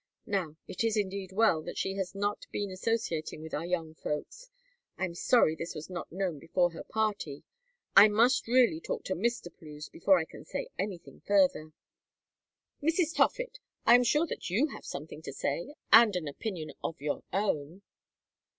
Now, it is indeed well that she has not been associating with our young folks. I am sorry this was not known before her party; I must really talk to Mr. Plews before I can say anything further." "Mrs. Toffitt, I am sure that you have something to say and an opinion of your own."